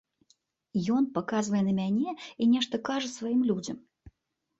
Ён паказвае на мяне і нешта кажа сваім людзям.